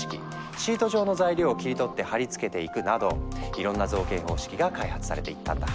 シート状の材料を切り取ってはり付けていくなどいろんな造形方式が開発されていったんだ。